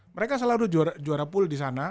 mereka selalu juara pool disana